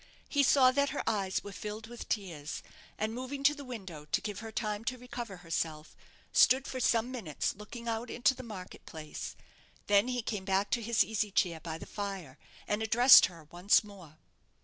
He saw that her eyes were filled with tears, and moving to the window to give her time to recover herself, stood for some minutes looking out into the market place. Then he came back to his easy chair by the fire, and addressed her once more.